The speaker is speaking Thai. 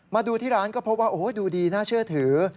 มาดูที่ร้านก็พบว่าโอ้โหดูดีน่าเชื่อถือ